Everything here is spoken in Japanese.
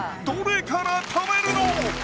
どれから食べるの？